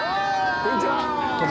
こんにちは。